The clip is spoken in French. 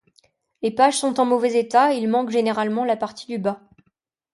Les pages sont en mauvais état et il manque généralement la partie du bas.